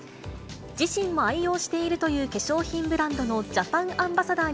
自身も愛用しているという化粧品ブランドのジャパンアンバサダー